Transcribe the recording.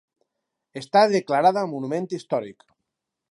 Està declarada monument històric.